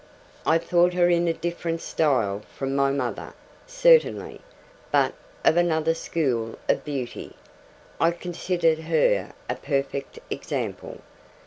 I thought her in a different style from my mother, certainly; but of another school of beauty, I considered her a perfect example.